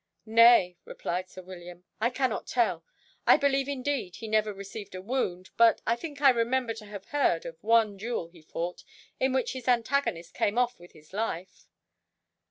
"Nay," replied sir William, "I cannot tell. I believe indeed he never received a wound, but I think I remember to have heard of one duel he fought, in which his antagonist came off with his life."